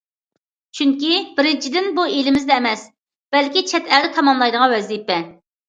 چۈنكى، بىرىنچىدىن، بۇ ئېلىمىزدە ئەمەس، بەلكى چەت ئەلدە تاماملايدىغان ۋەزىپە.